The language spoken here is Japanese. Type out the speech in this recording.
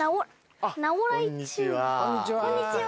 こんにちは。